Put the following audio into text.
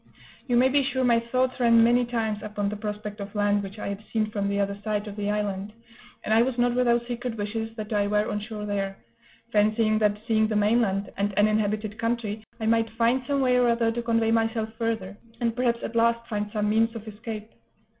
You may be sure my thoughts ran many times upon the prospect of land which I had seen from the other side of the island; and I was not without secret wishes that I were on shore there, fancying that, seeing the mainland, and an inhabited country, I might find some way or other to convey myself further, and perhaps at last find some means of escape.